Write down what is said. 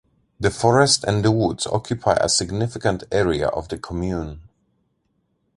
The forest and the woods occupy a significant area of the commune.